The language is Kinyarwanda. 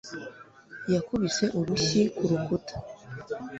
yakubise urushyi ku rukuta